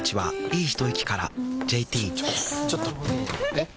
えっ⁉